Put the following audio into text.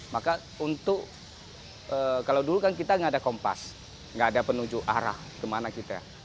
maka untuk kalau dulu kan kita nggak ada kompas nggak ada penunjuk arah kemana kita